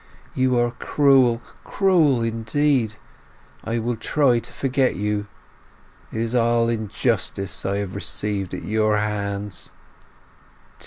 You are cruel, cruel indeed! I will try to forget you. It is all injustice I have received at your hands!